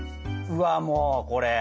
うわもうこれ。